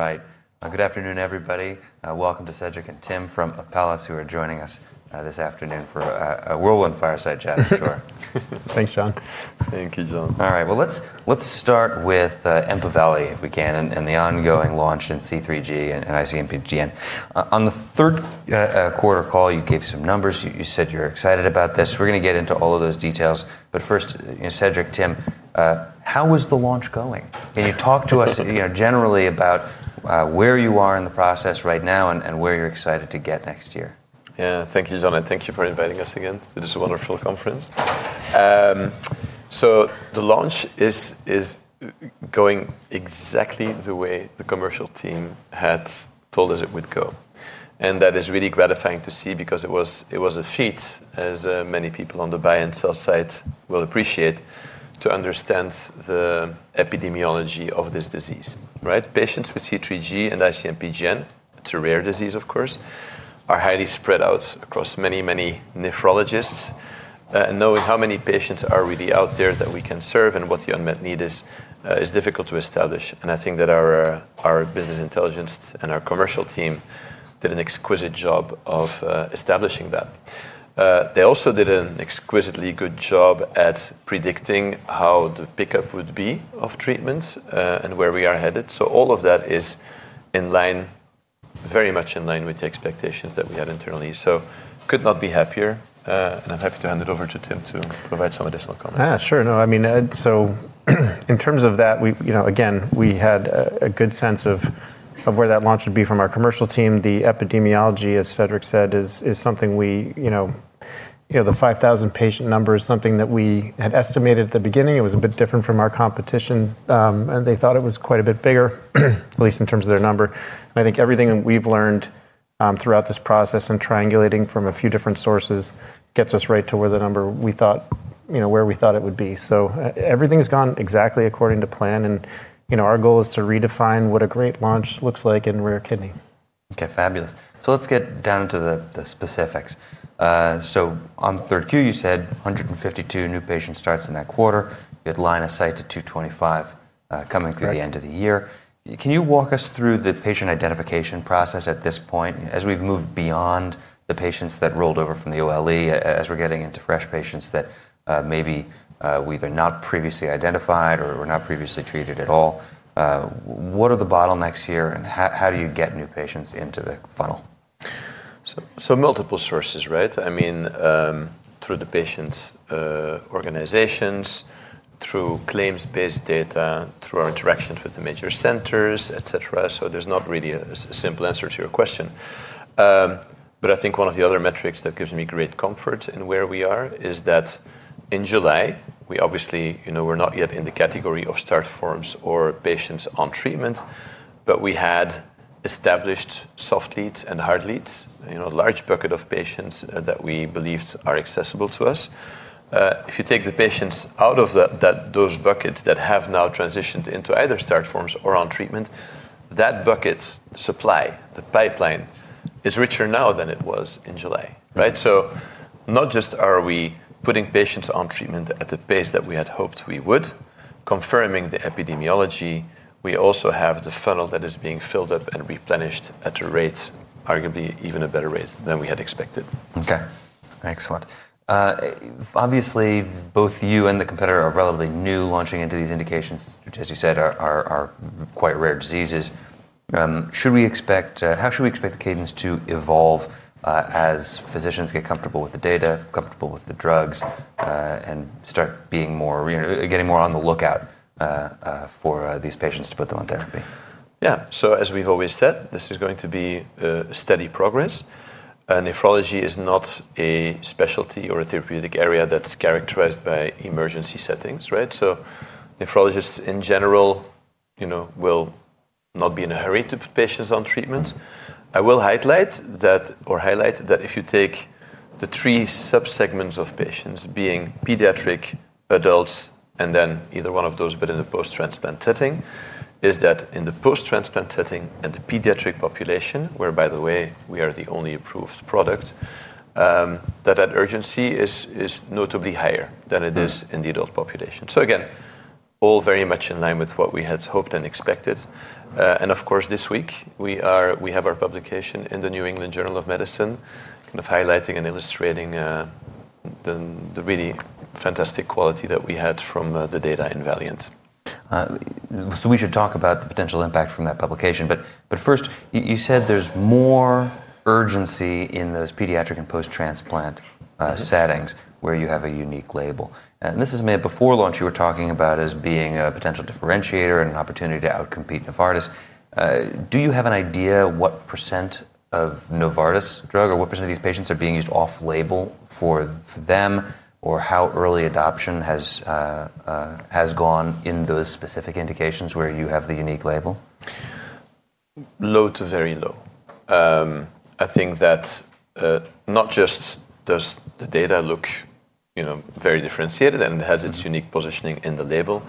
All right. Good afternoon, everybody. Welcome to Cedric and Tim from Apellis, who are joining us this afternoon for a whirlwind fireside chat, for sure. Thanks, John. Thank you, John. All right. Well, let's start with Empaveli, if we can, and the ongoing launch in C3G and IC-MPGN. On the third quarter call, you gave some numbers. You said you're excited about this. We're going to get into all of those details. But first, Cedric, Tim, how was the launch going? Can you talk to us generally about where you are in the process right now and where you're excited to get next year? Yeah. Thank you, John, and thank you for inviting us again to this wonderful conference. The launch is going exactly the way the commercial team had told us it would go, and that is really gratifying to see because it was a feat, as many people on the buy-and-sell side will appreciate, to understand the epidemiology of this disease, right? Patients with C3G and IC-MPGN, it's a rare disease, of course, are highly spread out across many, many nephrologists. Knowing how many patients are really out there that we can serve and what the unmet need is, is difficult to establish, and I think that our business intelligence and our commercial team did an exquisite job of establishing that. They also did an exquisitely good job at predicting how the pickup would be of treatments and where we are headed. All of that is in line, very much in line with the expectations that we had internally. Could not be happier. I'm happy to hand it over to Tim to provide some additional comments. Sure. No. I mean, so in terms of that, again, we had a good sense of where that launch would be from our commercial team. The epidemiology, as Cedric said, is something the 5,000 patient number is something that we had estimated at the beginning. It was a bit different from our competition. They thought it was quite a bit bigger, at least in terms of their number. I think everything we've learned throughout this process and triangulating from a few different sources gets us right to where the number we thought it would be. Everything's gone exactly according to plan. Our goal is to redefine what a great launch looks like in rare kidney. OK. Fabulous. Let's get down to the specifics. On third Q, you said 152 new patient starts in that quarter. You had line of sight to 225 coming through the end of the year. Can you walk us through the patient identification process at this point, as we've moved beyond the patients that rolled over from the OLE, as we're getting into fresh patients that maybe we either not previously identified or were not previously treated at all? What are the bottlenecks here, and how do you get new patients into the funnel? Multiple sources, right? I mean, through the patients' organizations, through claims-based data, through our interactions with the major centers, et cetera. There's not really a simple answer to your question. But I think one of the other metrics that gives me great comfort in where we are is that in July, we obviously were not yet in the category of start forms or patients on treatment. But we had established soft leads and hard leads, a large bucket of patients that we believed are accessible to us. If you take the patients out of those buckets that have now transitioned into either start forms or on treatment, that bucket, the supply, the pipeline, is richer now than it was in July, right? Not just are we putting patients on treatment at the pace that we had hoped we would. Confirming the epidemiology, we also have the funnel that is being filled up and replenished at a rate, arguably even a better rate than we had expected. OK. Excellent. Obviously, both you and the competitor are relatively new launching into these indications, which, as you said, are quite rare diseases. Should we expect the cadence to evolve as physicians get comfortable with the data, comfortable with the drugs, and start getting more on the lookout for these patients to put them on therapy? Yeah. As we've always said, this is going to be steady progress. Nephrology is not a specialty or a therapeutic area that's characterized by emergency settings, right? Nephrologists, in general, will not be in a hurry to put patients on treatment. I will highlight that if you take the three subsegments of patients, being pediatric, adults, and then either one of those but in the post-transplant setting, is that in the post-transplant setting and the pediatric population, where, by the way, we are the only approved product, that urgency is notably higher than it is in the adult population. So again, all very much in line with what we had hoped and expected. Of course, this week, we have our publication in the New England Journal of Medicine, kind of highlighting and illustrating the really fantastic quality that we had from the data in VALIANT. We should talk about the potential impact from that publication, but first, you said there's more urgency in those pediatric and post-transplant settings where you have a unique label. This is, I mean, before launch, you were talking about it as being a potential differentiator and an opportunity to outcompete Novartis. Do you have an idea what percent of Novartis drug or what percent of these patients are being used off-label for them, or how early adoption has gone in those specific indications where you have the unique label? Low to very low. I think that's not just does the data look very differentiated and has its unique positioning in the label.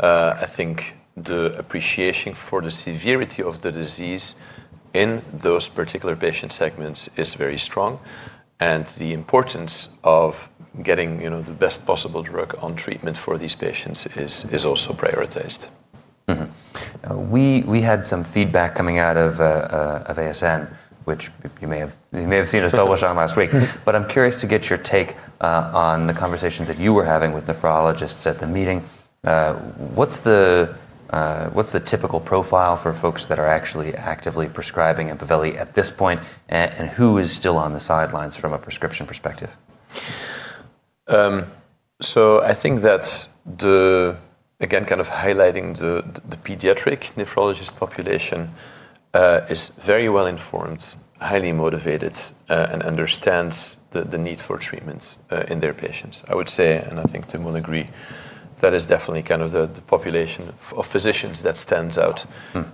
I think the appreciation for the severity of the disease in those particular patient segments is very strong, and the importance of getting the best possible drug on treatment for these patients is also prioritized. We had some feedback coming out of ASN, which you may have seen us publish on last week. But I'm curious to get your take on the conversations that you were having with nephrologists at the meeting. What's the typical profile for folks that are actually actively prescribing Empaveli at this point, and who is still on the sidelines from a prescription perspective? I think that's, again, kind of highlighting the pediatric nephrologist population is very well informed, highly motivated, and understands the need for treatments in their patients. I would say, and I think Tim will agree, that is definitely kind of the population of physicians that stands out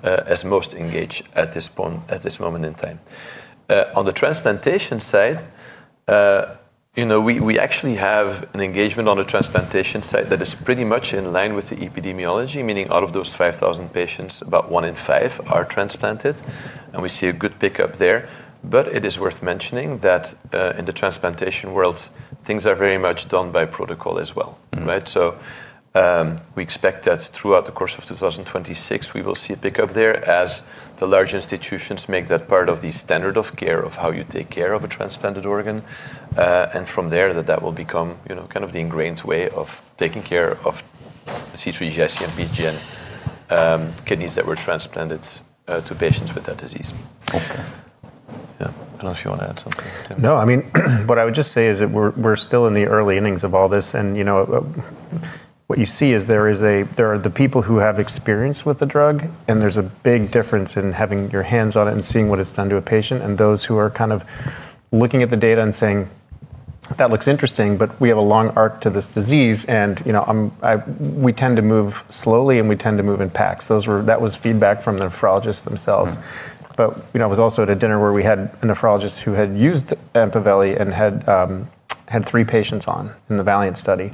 as most engaged at this moment in time. On the transplantation side, we actually have an engagement on the transplantation side that is pretty much in line with the epidemiology, meaning out of those 5,000 patients, about one in five are transplanted. We see a good pickup there. It is worth mentioning that in the transplantation world, things are very much done by protocol as well, right? So we expect that throughout the course of 2026, we will see a pickup there as the large institutions make that part of the standard of care of how you take care of a transplanted organ. From there, that will become kind of the ingrained way of taking care of C3G, IC-MPGN kidneys that were transplanted to patients with that disease. Okay. Yeah. I don't know if you want to add something, Tim. No. I mean, what I would just say is that we're still in the early innings of all this, and what you see is there are the people who have experience with the drug, and there's a big difference in having your hands on it and seeing what it's done to a patient, and those who are kind of looking at the data and saying, that looks interesting, but we have a long arc to this disease, and we tend to move slowly, and we tend to move in packs. That was feedback from the nephrologists themselves, but I was also at a dinner where we had a nephrologist who had used Empaveli and had three patients on in the VALIANT study.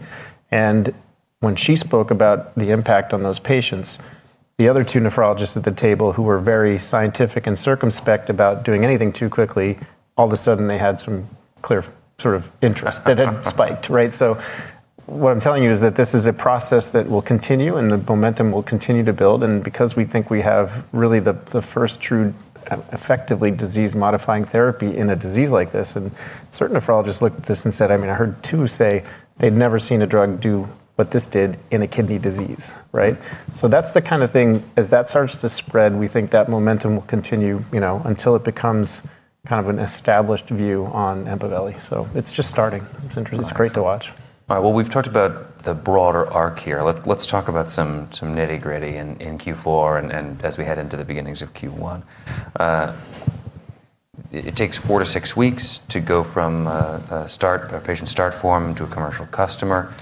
When she spoke about the impact on those patients, the other two nephrologists at the table, who were very scientific and circumspect about doing anything too quickly, all of a sudden, they had some clear sort of interest that had spiked, right? What I'm telling you is that this is a process that will continue, and the momentum will continue to build. Because we think we have really the first true, effectively disease-modifying therapy in a disease like this, and certain nephrologists looked at this and said, I mean, I heard two say they'd never seen a drug do what this did in a kidney disease, right? That's the kind of thing, as that starts to spread, we think that momentum will continue until it becomes kind of an established view on Empaveli. It's just starting. It's interesting. It's great to watch. All right. Well, we've talked about the broader arc here. Let's talk about some nitty-gritty in Q4 and as we head into the beginnings of Q1. It takes four to six weeks to go from a patient start form to a commercial customer.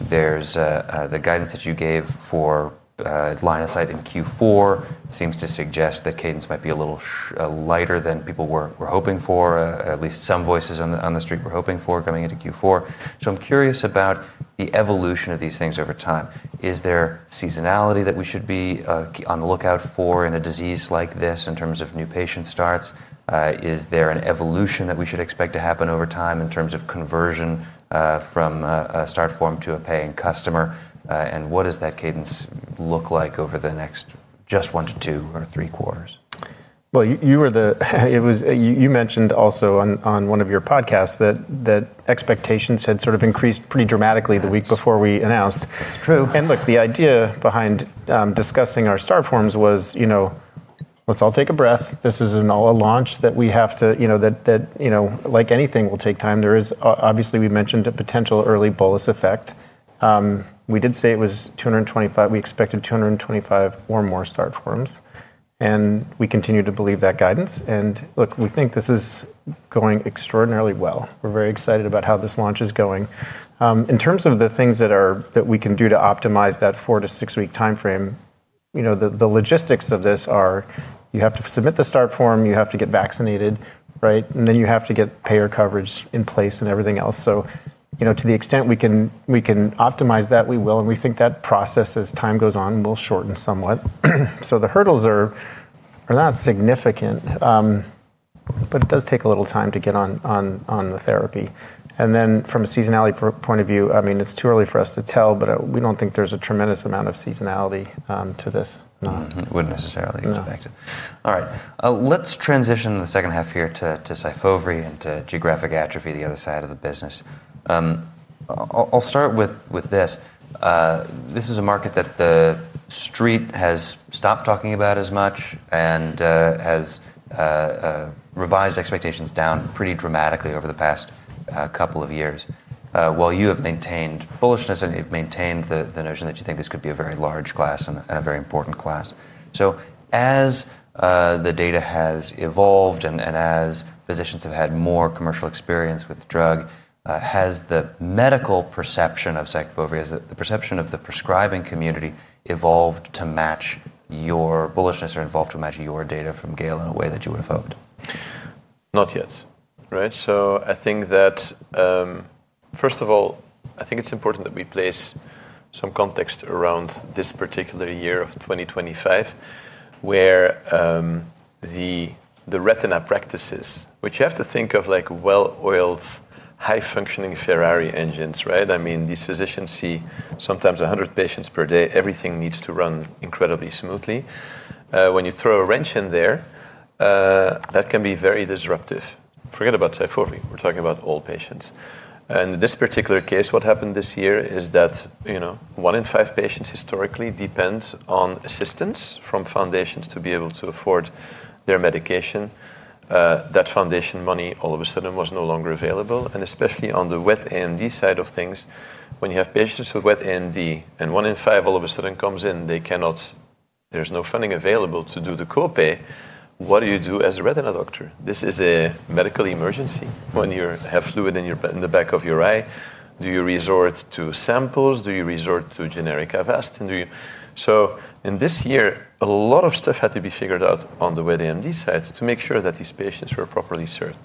There's the guidance that you gave for line of sight in Q4, seems to suggest that cadence might be a little lighter than people were hoping for, at least some voices on the street were hoping for coming into Q4. I'm curious about the evolution of these things over time. Is there seasonality that we should be on the lookout for in a disease like this in terms of new patient starts? Is there an evolution that we should expect to happen over time in terms of conversion from a start form to a paying customer? What does that cadence look like over the next just one to two or three quarters? You mentioned also on one of your podcasts that expectations had sort of increased pretty dramatically the week before we announced. That's true. And look, the idea behind discussing our start forms was, let's all take a breath. This is a launch that we have to that, like anything, will take time. Obviously, we mentioned a potential early bolus effect. We did say it was 225. We expected 225 or more start forms. We continue to believe that guidance. Look, we think this is going extraordinarily well. We're very excited about how this launch is going. In terms of the things that we can do to optimize that four to six-week time frame, the logistics of this are you have to submit the start form. You have to get vaccinated, right? Then you have to get payer coverage in place and everything else. So to the extent we can optimize that, we will. We think that process, as time goes on, will shorten somewhat. The hurdles are not significant, but it does take a little time to get on the therapy. From a seasonality point of view, I mean, it's too early for us to tell, but we don't think there's a tremendous amount of seasonality to this. Wouldn't necessarily expect it. All right. Let's transition in the second half here to SYFOVRE and to geographic atrophy, the other side of the business. I'll start with this. This is a market that the street has stopped talking about as much and has revised expectations down pretty dramatically over the past couple of years, while you have maintained bullishness and you've maintained the notion that you think this could be a very large class and a very important class. As the data has evolved and as physicians have had more commercial experience with the drug, has the medical perception of SYFOVRE, has the perception of the prescribing community evolved to match your bullishness or evolved to match your data from GALE in a way that you would have hoped? Not yet. Right? I think that's, first of all, I think it's important that we place some context around this particular year of 2025, where the retina practices, which you have to think of like well-oiled, high-functioning Ferrari engines, right? I mean, these physicians see sometimes 100 patients per day. Everything needs to run incredibly smoothly. When you throw a wrench in there, that can be very disruptive. Forget about SYFOVRE. We're talking about all patients. In this particular case, what happened this year is that one in five patients historically depends on assistance from foundations to be able to afford their medication. That foundation money all of a sudden was no longer available. Especially on the wet AMD side of things, when you have patients with wet AMD, and one in five all of a sudden comes in, they cannot. There's no funding available to do the copay. What do you do as a retina doctor? This is a medical emergency. When you have fluid in the back of your eye, do you resort to samples? Do you resort to generic Avastin? In this year, a lot of stuff had to be figured out on the wet AMD side to make sure that these patients were properly served.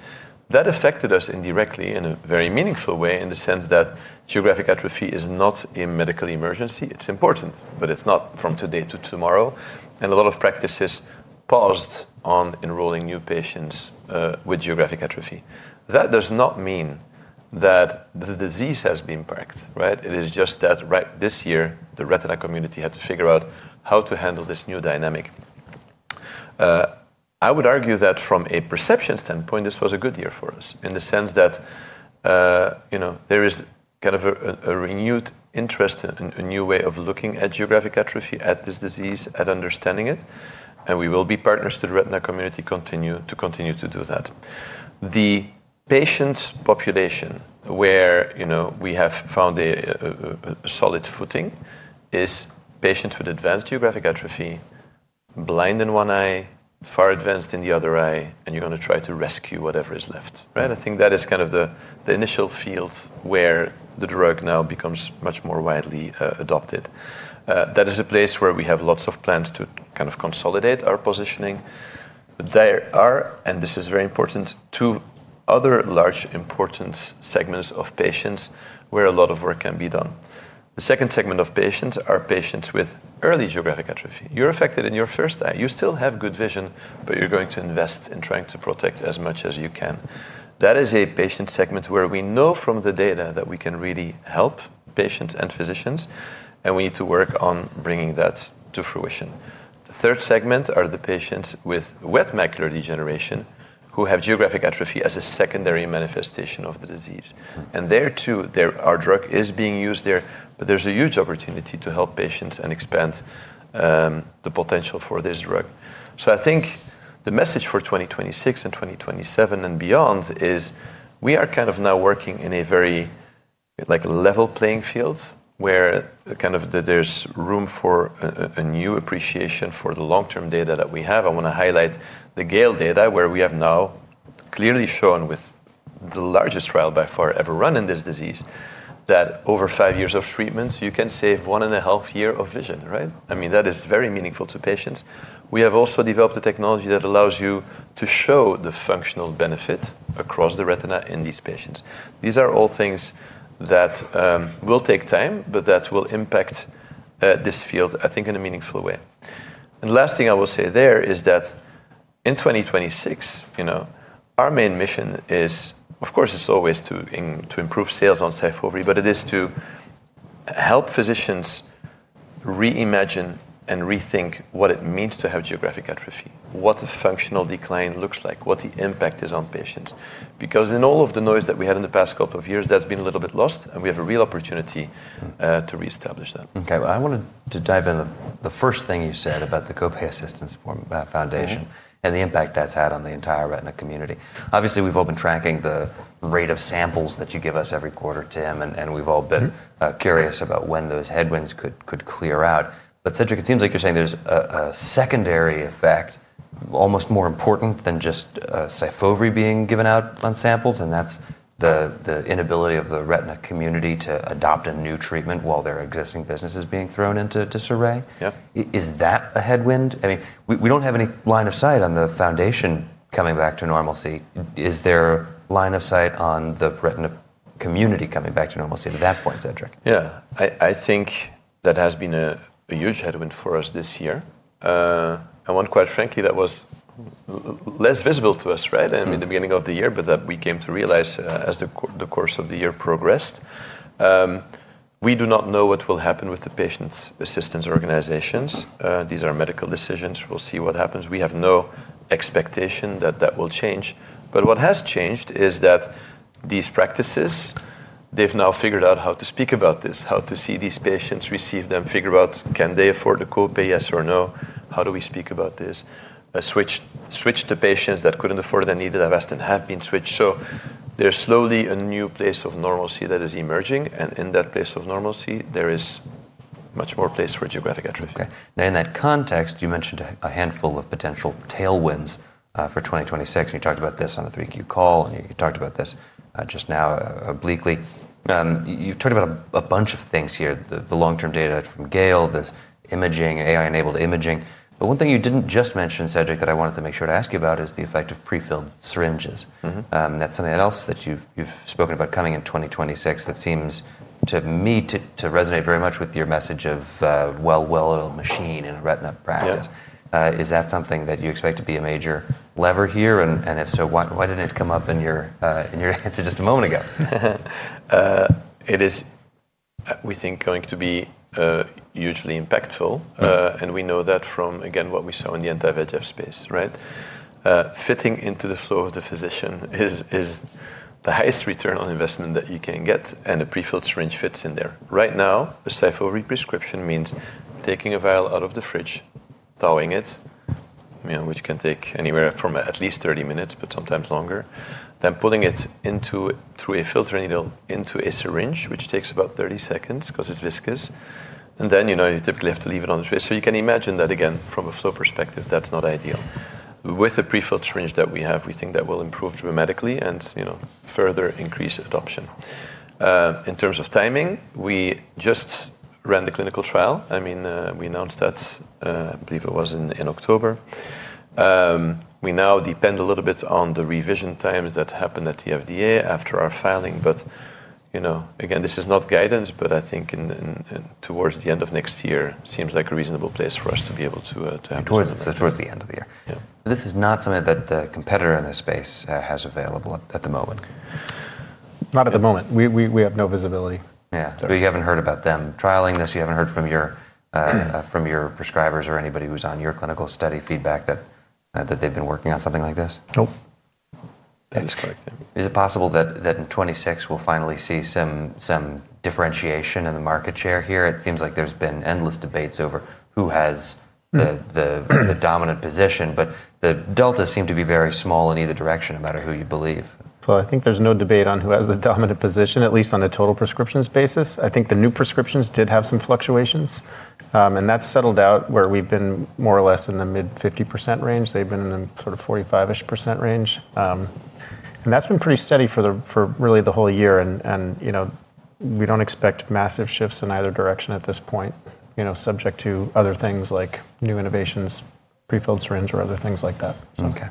That affected us indirectly in a very meaningful way in the sense that geographic atrophy is not a medical emergency. It's important, but it's not from today to tomorrow. A lot of practices paused on enrolling new patients with geographic atrophy. That does not mean that the disease has been parked, right? It is just that this year, the retina community had to figure out how to handle this new dynamic. I would argue that from a perception standpoint, this was a good year for us in the sense that there is kind of a renewed interest in a new way of looking at geographic atrophy, at this disease, at understanding it, and we will be partners to the retina community to continue to do that. The patient population where we have found a solid footing is patients with advanced Geographic Atrophy, blind in one eye, far advanced in the other eye, and you're going to try to rescue whatever is left, right? I think that is kind of the initial field where the drug now becomes much more widely adopted. That is a place where we have lots of plans to kind of consolidate our positioning. There are, and this is very important, two other large important segments of patients where a lot of work can be done. The second segment of patients are patients with early geographic atrophy. You're affected in your first eye. You still have good vision, but you're going to invest in trying to protect as much as you can. That is a patient segment where we know from the data that we can really help patients and physicians, and we need to work on bringing that to fruition. The third segment are the patients with wet macular degeneration who have geographic atrophy as a secondary manifestation of the disease. There, too, our drug is being used there, but there's a huge opportunity to help patients and expand the potential for this drug. I think the message for 2026 and 2027 and beyond is we are kind of now working in a very, like level playing field where kind of there's room for a new appreciation for the long-term data that we have. I want to highlight the GALE data where we have now clearly shown with the largest trial by far ever run in this disease that over five years of treatment, you can save one and a half years of vision, right? I mean, that is very meaningful to patients. We have also developed a technology that allows you to show the functional benefit across the retina in these patients. These are all things that will take time, but that will impact this field, I think, in a meaningful way. The last thing I will say there is that in 2026, our main mission is, of course, it's always to improve sales on SYFOVRE, but it is to help physicians reimagine and rethink what it means to have geographic atrophy, what a functional decline looks like, what the impact is on patients. Because in all of the noise that we had in the past couple of years, that's been a little bit lost, and we have a real opportunity to reestablish that. OK. I wanted to dive into the first thing you said about the copay assistance from Foundation and the impact that's had on the entire retina community. Obviously, we've all been tracking the rate of samples that you give us every quarter, Tim, and we've all been curious about when those headwinds could clear out. But, Cedric, it seems like you're saying there's a secondary effect, almost more important than just SYFOVRE being given out on samples, and that's the inability of the retina community to adopt a new treatment while their existing business is being thrown into disarray. Is that a headwind? I mean, we don't have any line of sight on the Foundation coming back to normalcy. Is there a line of sight on the retina community coming back to normalcy at that point, Cedric? Yeah. I think that has been a huge headwind for us this year. One, quite frankly, that was less visible to us, right, in the beginning of the year, but that we came to realize as the course of the year progressed. We do not know what will happen with the patient assistance organizations. These are medical decisions. We'll see what happens. We have no expectation that that will change. But what has changed is that these practices, they've now figured out how to speak about this, how to see these patients, receive them, figure out can they afford the copay, yes or no? How do we speak about this? Switched to patients that couldn't afford the needed Avastin have been switched. So there's slowly a new place of normalcy that is emerging. In that place of normalcy, there is much more place for geographic atrophy. Now, in that context, you mentioned a handful of potential tailwinds for 2026. You talked about this on the Q3 call, and you talked about this just now obliquely. You've talked about a bunch of things here, the long-term data from GALE, this imaging, AI-enabled imaging. But one thing you didn't just mention, Cedric, that I wanted to make sure to ask you about is the effect of prefilled syringes. That's something else that you've spoken about coming in 2026 that seems to me to resonate very much with your message of a well-oiled machine in retina practice. Is that something that you expect to be a major lever here? If so, why didn't it come up in your answer just a moment ago? It is, we think, going to be hugely impactful, and we know that from, again, what we saw in the anti-VEGF space, right? Fitting into the flow of the physician is the highest return on investment that you can get, and a prefilled syringe fits in there. Right now, a SYFOVRE prescription means taking a vial out of the fridge, thawing it, which can take anywhere from at least 30 minutes, but sometimes longer, then pulling it through a filter needle into a syringe, which takes about 30 seconds because it's viscous, and then you typically have to leave it on the fridge, so you can imagine that, again, from a flow perspective, that's not ideal. With the prefilled syringe that we have, we think that will improve dramatically and further increase adoption. In terms of timing, we just ran the clinical trial. I mean, we announced that, I believe it was in October. We now depend a little bit on the revision times that happened at the FDA after our filing. But again, this is not guidance, but I think towards the end of next year seems like a reasonable place for us to be able to have this. Toward the end of the year. This is not something that the competitor in this space has available at the moment. Not at the moment. We have no visibility. Yeah. So you haven't heard about them trialing this? You haven't heard from your prescribers or anybody who's on your clinical study feedback that they've been working on something like this? Nope. That is correct. Is it possible that in 2026 we'll finally see some differentiation in the market share here? It seems like there's been endless debates over who has the dominant position, but the deltas seem to be very small in either direction, no matter who you believe. I think there's no debate on who has the dominant position, at least on a total prescriptions basis. I think the new prescriptions did have some fluctuations. That's settled out where we've been more or less in the mid-50% range. They've been in the sort of 45-ish% range. That's been pretty steady for really the whole year. We don't expect massive shifts in either direction at this point, subject to other things like new innovations, prefilled syringe, or other things like that. Okay.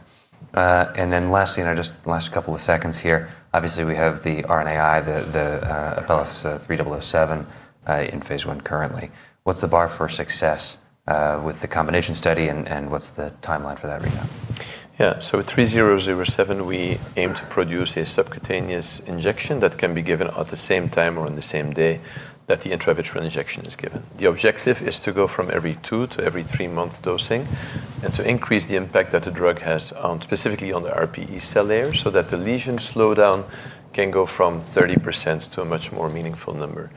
Then lastly, in our just last couple of seconds here, obviously, we have the RNAi, the Abelast 3007 in phase one currently. What's the bar for success with the combination study, and what's the timeline for that right now? Yeah. So with 3007, we aim to produce a subcutaneous injection that can be given at the same time or on the same day that the intravitreal injection is given. The objective is to go from every two to every three-month dosing and to increase the impact that the drug has specifically on the RPE cell layer so that the lesion slowdown can go from 30% to a much more meaningful number.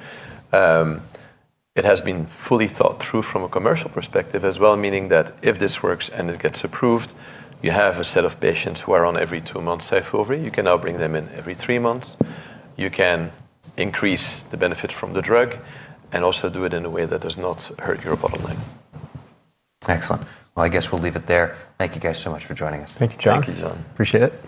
It has been fully thought through from a commercial perspective as well, meaning that if this works and it gets approved, you have a set of patients who are on every two-month SYFOVRE. You can now bring them in every three months. You can increase the benefit from the drug and also do it in a way that does not hurt your bottleneck. Excellent. Well, I guess we'll leave it there. Thank you guys so much for joining us. Thank you, John. Thank you, John. Appreciate it.